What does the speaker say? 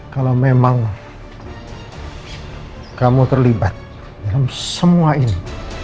kalau memang kamu terlibat dalam semua ini